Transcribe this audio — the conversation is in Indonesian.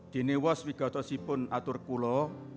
dinewas wigatasi pun atur kulo